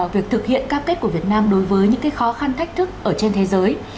việc thực hiện cam kết của việt nam đối với những khó khăn thách thức ở trên thế giới